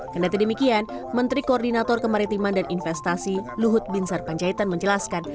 kendati demikian menteri koordinator kemaritiman dan investasi luhut bin sarpanjaitan menjelaskan